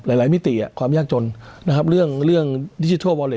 หลายมิติความยากจนนะครับเรื่องเรื่องดิจิทัลวอลเล